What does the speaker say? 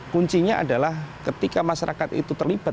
kuncinya adalah ketika masyarakat itu terlibat